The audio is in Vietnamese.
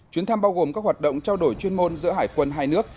chuyến thăm bao gồm các hoạt động trao đổi chuyên môn giữa hải quân hai nước